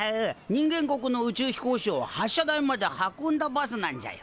人間国の宇宙飛行士を発射台まで運んだバスなんじゃよ。